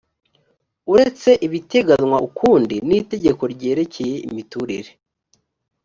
uretse ibiteganywa ukundi n itegeko ryerekeye imiturire